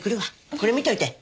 これ見ておいて。